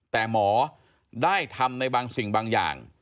แต่หมอได้ทำในบางสิ่งบางอย่าง